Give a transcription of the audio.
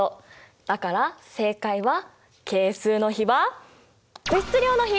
だから正解は係数の比は物質量の比！